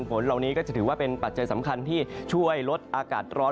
ฝนเหล่านี้ก็จะถือว่าเป็นปัจจัยสำคัญที่ช่วยลดอากาศร้อน